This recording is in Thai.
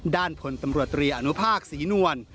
ด้านพลตำรวจตรีอนุภาคศรีนวล